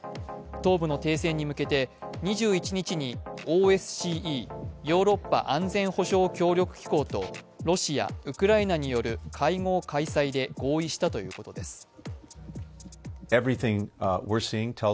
東部の停戦に向けて２１日にＯＳＣＥ＝ヨーロッパ安全保障協力機構とロシア、ウクライナによる会合開催で合意したということです。